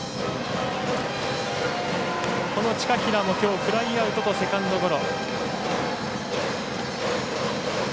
近平も、きょうフライアウトとセカンドゴロ。